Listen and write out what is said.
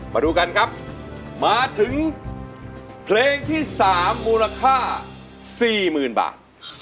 มาดูกันครับมาถึงเพลงที่สามมูลค่าสี่หมื่นบาท